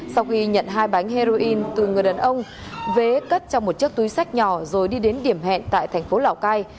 sau khi nhận hai bánh heroin từ người đàn ông vế cất trong một chiếc túi sách nhỏ rồi đi đến điểm hẹn tại thành phố lào cai